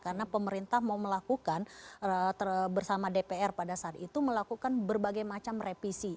karena pemerintah mau melakukan bersama dpr pada saat itu melakukan berbagai macam repisi